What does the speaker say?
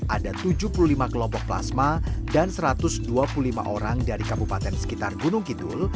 ada tujuh puluh lima kelompok plasma dan satu ratus dua puluh lima orang dari kabupaten sekitar gunung kidul